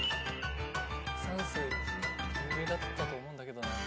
枯山水有名だったと思うんだけどな。